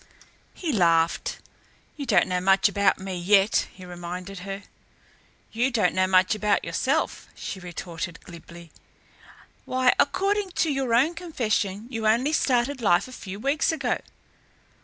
He laughed. "You don't know much about me yet," he reminded her. "You don't know much about yourself," she retorted glibly. "Why, according to your own confession, you only started life a few weeks ago.